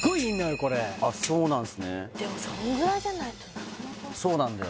これそうなんすねでもそんぐらいじゃないとなそうなんだよ